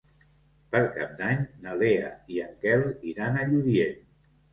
Per Cap d'Any na Lea i en Quel iran a Lludient.